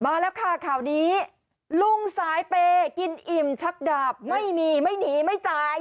มาแล้วค่ะข่าวนี้ลุงสายเปย์กินอิ่มชักดาบไม่มีไม่หนีไม่จ่าย